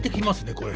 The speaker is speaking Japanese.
これ。